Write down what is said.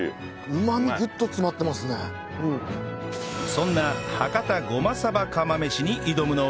そんな博多ごまさば釜飯に挑むのは